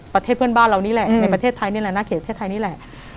ประเทศเพื่อนบ้านเรานี่แหละในประเทศไทยนี่แหละนะเขตประเทศไทยนี่แหละ